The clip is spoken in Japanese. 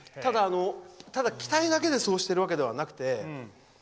ただ、期待だけでそうしているわけではなくて。